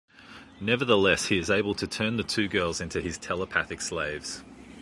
Nevertheless, he is able to turn the two girls into his telepathic slaves.